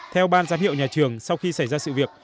theo ban giám hiệu nhà trường sau khi xảy ra sự việc